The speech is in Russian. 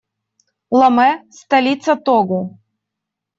Ломе - столица Того.